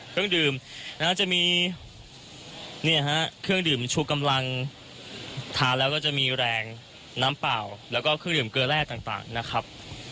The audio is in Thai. เครื่องดื่มจะมีเครื่องดื่มชูกำลังทานแล้วก็จะมีแรงน้ำเปล่าแล้วก็เครื่องดื่มเกลือแร่ต่างนะครับ